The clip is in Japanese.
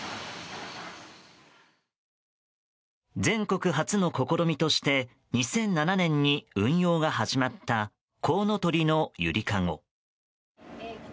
全国初の試みとして２００７年に運用が始まったこうのとりのゆりかご。